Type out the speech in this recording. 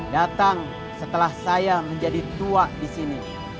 datang setelah saya menjadi tua disini